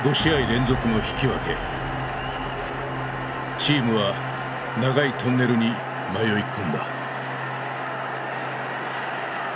チームは長いトンネルに迷い込んだ。